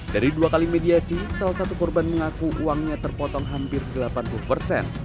dari dua kali mediasi salah satu korban mengaku uangnya terpotong hampir delapan puluh persen